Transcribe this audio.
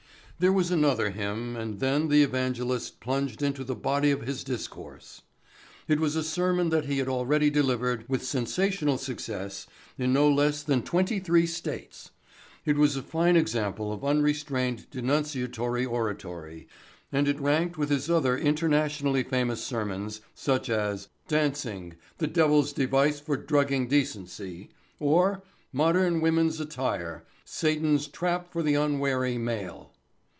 There was another hymn and then the evangelist plunged into the body of his discourse. It was a sermon that he had already delivered with sensational success in no less than twenty three states. It was a fine example of unrestrained denunciatory oratory and it ranked with his other internationally famous sermons such as "Dancing—the Devil's Device for Drugging Decency"; or, "Modern Women's Attire—Satan's Trap for the Unwary Male."